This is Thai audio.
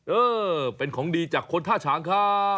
เออเป็นของดีจากคนท่าฉางครับ